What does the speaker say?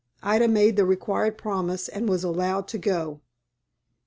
Ida made the required promise, and was allowed to go.